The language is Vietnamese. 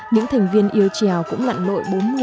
những thành viên yêu trèo cũng lặn lội